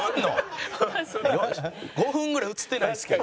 ５分ぐらい映ってないんですけど。